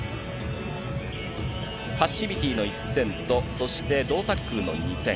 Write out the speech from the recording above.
パッシビティの１点と、そして胴タックルの２点。